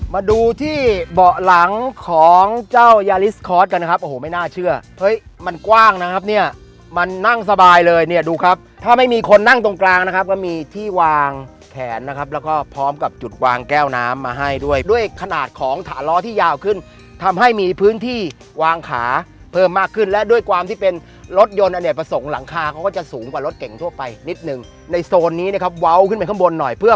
มาดูที่เบาะหลังของเจ้ายาริสคอร์สกันครับโอ้โหไม่น่าเชื่อเฮ้ยมันกว้างนะครับเนี่ยมันนั่งสบายเลยเนี่ยดูครับถ้าไม่มีคนนั่งตรงกลางนะครับก็มีที่วางแขนนะครับแล้วก็พร้อมกับจุดวางแก้วน้ำมาให้ด้วยด้วยขนาดของถาล้อที่ยาวขึ้นทำให้มีพื้นที่วางขาเพิ่มมากขึ้นและด้วยความที่เป็นรถยนต์เนี่ย